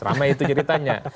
ramai itu ceritanya